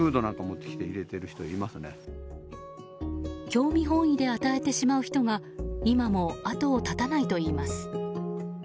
興味本位で与えてしまう人が今も後を絶たないといいます。